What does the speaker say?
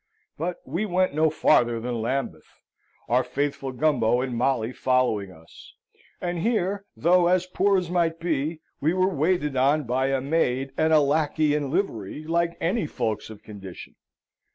But we went no farther than Lambeth, our faithful Gumbo and Molly following us; and here, though as poor as might be, we were waited on by a maid and a lackey in livery, like any folks of condition.